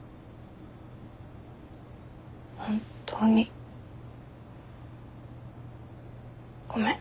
本当にごめん。